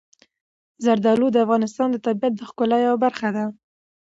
زردالو د افغانستان د طبیعت د ښکلا یوه برخه ده.